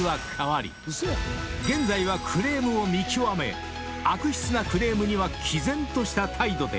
［現在はクレームを見極め悪質なクレームには毅然とした態度で］